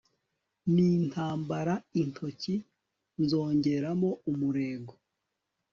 nintambara intoki nzongeramo umurego